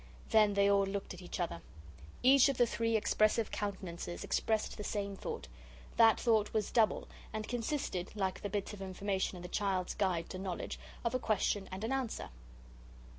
Then they all looked at each other. Each of the three expressive countenances expressed the same thought. That thought was double, and consisted, like the bits of information in the Child's Guide to Knowledge, of a question and an answer.